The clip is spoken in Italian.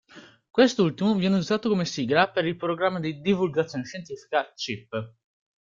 Quest'ultimo viene usato come sigla per il programma di divulgazione scientifica "Chip".